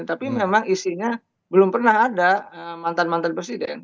tapi memang isinya belum pernah ada mantan mantan presiden